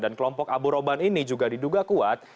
dan kelompok abu roban ini juga diduga kuat